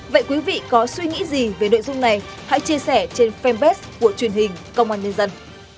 vậy quý vị có suy nghĩ gì về nội dung này hãy chia sẻ trên fanpage của truyền hình công an nhân dân